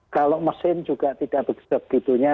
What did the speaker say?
kalau mesin juga tidak begitunya